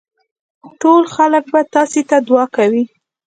ټول خلک به تاسي ته دعا کوي.